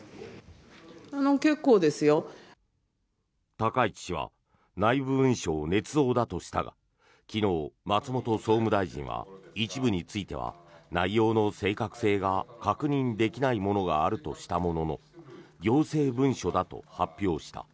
高市氏は内部文書をねつ造だとしたが昨日、松本総務大臣は一部については内容の正確性が確認できないものがあるとしたものの行政文書だと発表した。